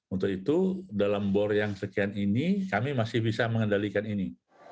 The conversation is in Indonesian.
untuk itu dalam bor yang sekian ini kami masih bisa mengendalikan ini